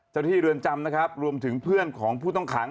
เจ้าที่เรือนจำนะครับรวมถึงเพื่อนของผู้ต้องขัง